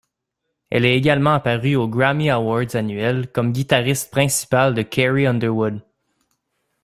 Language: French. Elle est également apparue aux Grammy Awards annuel comme guitariste principale de Carrie Underwood.